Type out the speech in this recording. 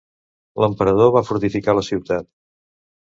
L'emperador va fortificar la ciutat.